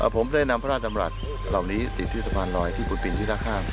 ผมได้นำพระราชธรรมดาเหล่านี้ติดที่สะพานรอยที่ฝุ่นปินที่ซากข้าง